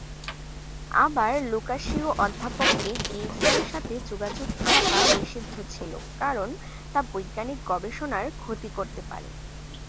আবার লুকাসীয় অধ্যাপকদের গির্জার সাথে যোগাযোগ থাকা নিষিদ্ধ ছিল, কারণ তা বৈজ্ঞানিক গবেষণার ক্ষতি করতে পারে।